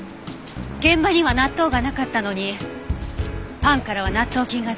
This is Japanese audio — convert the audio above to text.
現場には納豆がなかったのにパンからは納豆菌が出た。